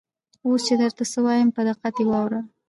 اوس چې درته څه وایم په دقت یې واوره.